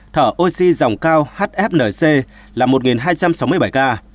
thở oxy dòng cao hfnc là một hai trăm sáu mươi bảy ca